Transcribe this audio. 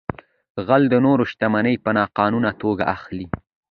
غل د نورو شتمنۍ په ناقانونه توګه اخلي